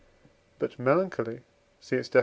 But Melancholy (see its Def.